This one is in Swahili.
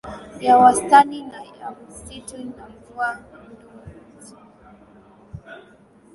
ya wastani ya msitu wa mvua ugunduzi